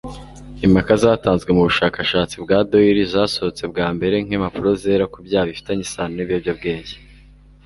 Impaka zatanzwe mu bushakashatsi bwa Doyle zasohotse bwa mbere nkimpapuro zera ku byaha bifitanye isano nibiyobyabwenge